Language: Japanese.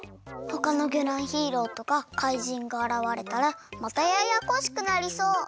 ほかのぎょらんヒーローとか怪人があらわれたらまたややこしくなりそう。